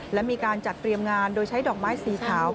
และมีการจัดเตรียมงานโดยใช้ดอกไม้สีขาว